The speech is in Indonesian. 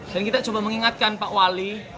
dan kita coba mengingatkan pak wali